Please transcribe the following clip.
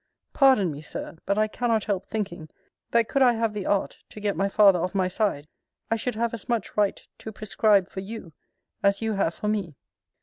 Pardon me, Sir; but I cannot help thinking, that could I have the art to get my father of my side, I should have as much right to prescribe for you, as you have for me.